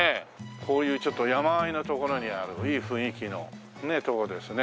こういうちょっと山あいの所にあるいい雰囲気のとこですね。